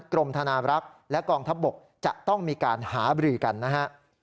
กรมธนารักษ์และกองทัพบกจะต้องมีการหาบรือกันนะฮะ